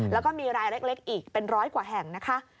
แล้วก็มีรายเล็กอีกเป็นร้อยกว่าแห่งนะคะ